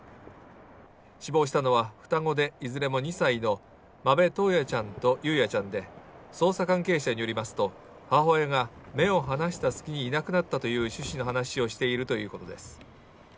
死亡したのは、双子で、いずれも２歳の間部登也ちゃんと雄也ちゃんで捜査関係者によりますと、母親が目を離した隙にいなくなったという趣旨の話をしているということです。